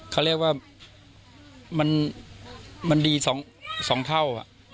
เขาเรียกว่ามันดี๒เท่า